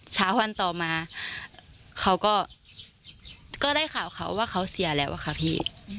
เช้าวันต่อมาเขาก็ได้ข่าวเขาว่าเขาเสียแล้วอะค่ะพี่